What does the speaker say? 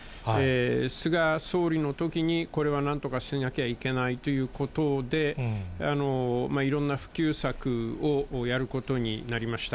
菅総理のときに、これはなんとかしなきゃいけないということで、いろんな普及策をやることになりました。